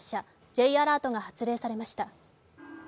Ｊアラートが発令されました。